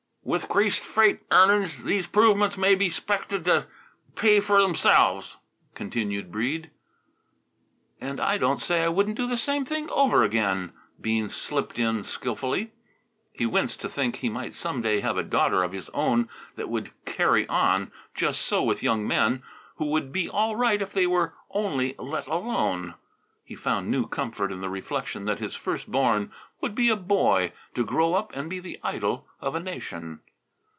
"With 'creased freight earnin's these 'provements may be 'spected t' pay f'r 'emselves," continued Breede. "And I don't say I wouldn't do the same thing over again," Bean slipped in skilfully. He winced to think he might some day have a daughter of his own that would "carry on" just so with young men who would be all right if they were only let alone. He found new comfort in the reflection that his first born would be a boy to grow up and be the idol of a nation.